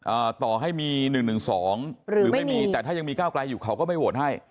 ต่อให้มีหนึ่งหนึ่งสองหรือไม่มีแต่ถ้ายังมีก้าวไกลอยู่เขาก็ไม่โหวตให้